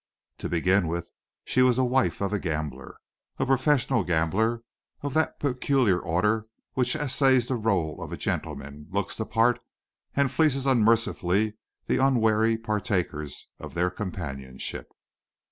To begin with she was the wife of a gambler a professional gambler of that peculiar order which essays the rôle of a gentleman, looks the part, and fleeces unmercifully the unwary partakers of their companionship.